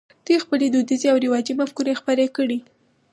دوی خپلې دودیزې او رواجي مفکورې خپرې کړې.